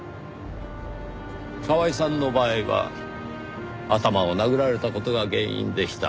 カワエさんの場合は頭を殴られた事が原因でした。